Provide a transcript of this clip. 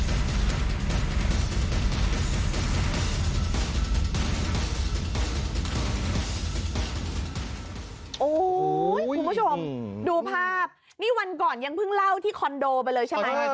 โอ้โหคุณผู้ชมดูภาพนี่วันก่อนยังเพิ่งเล่าที่คอนโดไปเลยใช่ไหม